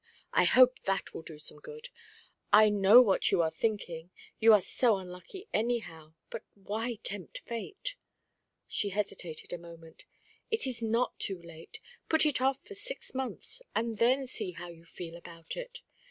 I hope that will do some good. I know what you are thinking you are so unlucky, anyhow. But why tempt fate?" She hesitated a moment. "It is not too late. Put it off for six months, and then see how you feel about it.